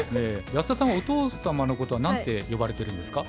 安田さんはお父様のことは何て呼ばれてるんですか？